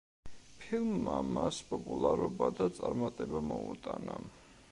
ფილმმა მას პოპულარობა და წარმატება მოუტანა.